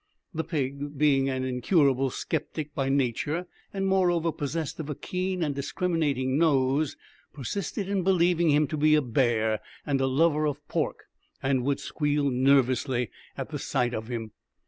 The pig, being an incurable sceptic by nature, and, moreover, possessed of a keen and discriminating nose, persisted in believing him to be a bear and a lover of pork, and would squeal nervously at the sight of him.